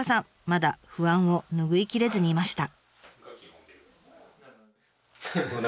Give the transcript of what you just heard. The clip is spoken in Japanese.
まだ不安を拭いきれずにいました。